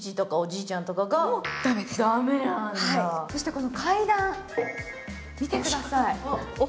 そして階段、見てください。